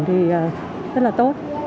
thì rất là tốt